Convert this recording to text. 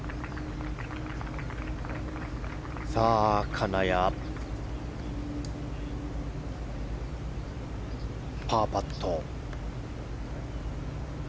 金谷、パーパット。